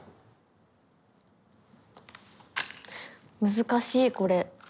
難しいこれ。